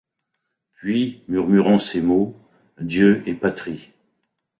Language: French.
Puis, murmurant ces mots :« Dieu et patrie